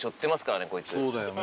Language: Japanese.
そうだよね。